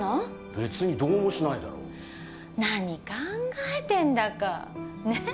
別にどうもしないだろ何考えてんだかねぇ？